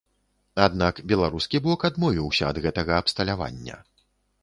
Аднак беларускі бок адмовіўся ад гэтага абсталявання.